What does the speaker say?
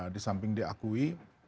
di samping diakui